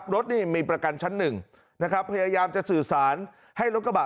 รถนี่มีประกันชั้นหนึ่งนะครับพยายามจะสื่อสารให้รถกระบะ